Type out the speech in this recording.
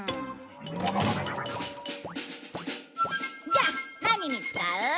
じゃあ何に使う？